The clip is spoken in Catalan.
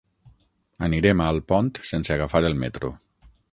Anirem a Alpont sense agafar el metro.